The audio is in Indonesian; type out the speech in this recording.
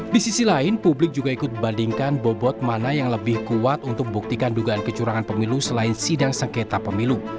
di sisi lain publik juga ikut bandingkan bobot mana yang lebih kuat untuk membuktikan dugaan kecurangan pemilu selain sidang sengketa pemilu